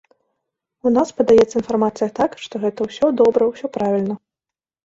У нас падаецца інфармацыя так, што гэта ўсё добра, усё правільна.